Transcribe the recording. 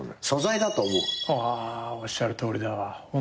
おっしゃるとおりだわ。